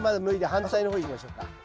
反対の方いきましょうか。